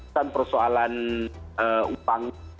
tanpa persoalan upang